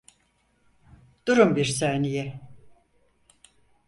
Durun bir saniye.